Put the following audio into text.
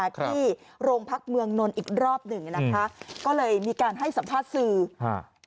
ที่โรงพักเมืองนนท์อีกรอบหนึ่งนะคะก็เลยมีการให้สัมภาษณ์สื่อฮะ